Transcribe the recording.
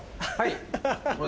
はい。